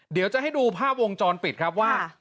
เดี๋ยวจะให้ดูภาพวงจรปิดครับว่า